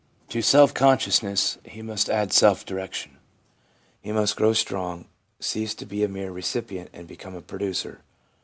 To self consciousness, he must add self direction. He must grow strong, cease to be a mere recipient, and become a producer.